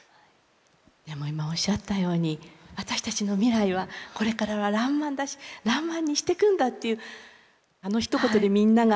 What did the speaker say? でも今おっしゃったように私たちの未来はこれからはらんまんだしらんまんにしていくんだというあのひと言でみんなが。